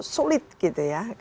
sulit gitu ya